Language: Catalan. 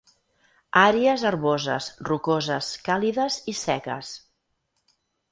Àrees herboses, rocoses, càlides i seques.